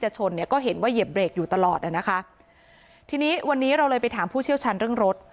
เจอเบรกอยู่ตลอดทีนี้วันนี้เราเลยไปถามผู้เชี่ยวชันเรื่องรถ